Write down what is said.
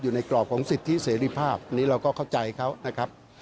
กรอบของสิทธิเสรีภาพนี้เราก็เข้าใจเขานะครับ